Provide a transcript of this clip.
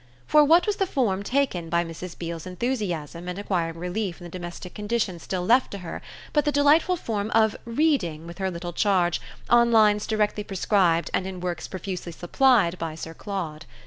For what was the form taken by Mrs. Beale's enthusiasm and acquiring relief in the domestic conditions still left to her but the delightful form of "reading" with her little charge on lines directly prescribed and in works profusely supplied by Sir Claude?